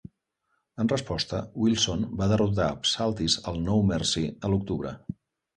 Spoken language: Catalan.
En resposta, Wilson va derrotar Psaltis al No Mercy a l'octubre.